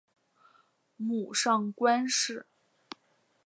母上官氏。